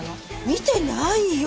見てないよ！